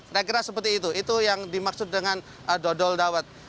saya kira seperti itu itu yang dimaksud dengan dodol dawet